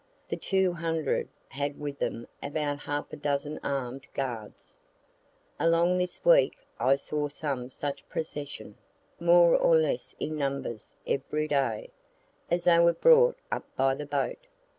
The two hundred had with them about half a dozen arm'd guards. Along this week I saw some such procession, more or less in numbers, every day, as they were brought up by the boat.